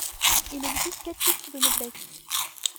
Il existe sept titres de noblesse.